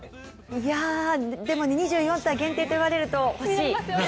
いやあ、でも、２４体限定と言われると欲しい！